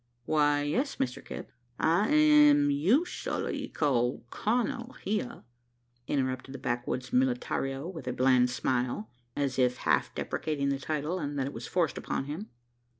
"Why, yes, Mr Kipp." "I am usooally called kurnel here," interrupted the backwoods militario, with a bland smile, as if half deprecating the title, and that it was forced upon him.